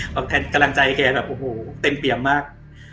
บังเทศกรรมใจแกแบบเต็มเปลี่ยมมาก